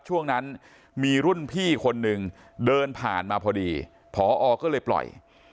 ช่วงนั้นมีรุ่นพี่คนหนึ่งเดินผ่านมาพอดีพอก็เลยปล่อย